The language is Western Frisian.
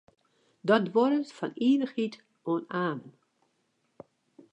Dat duorret fan ivichheid oant amen.